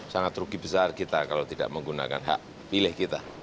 sangat rugi besar kita kalau tidak menggunakan hak pilih kita